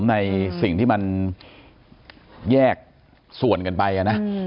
ในสิ่งที่มันแยกส่วนกันไปนะ